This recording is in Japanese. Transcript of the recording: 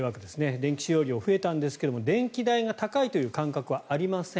電気使用量は増えたんですが電気代が高いという感覚はありません。